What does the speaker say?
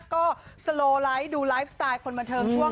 ก็สโลไลค์ดูไลฟ์สไตล์คนบันเทิงช่วง